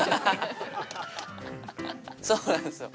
そうなんですよ。